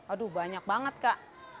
aduh banyak banget kak